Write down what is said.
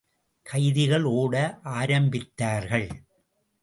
கைதிகள் ஓட ஆரம்பித்தார்கள்.